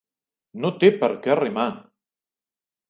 No té per què rimar!